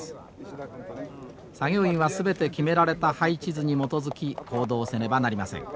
作業員は全て決められた配置図に基づき行動せねばなりません。